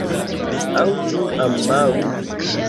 Aŭ ĉu ambaŭ?